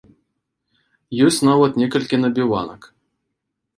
Ёсць нават некалькі набіванак.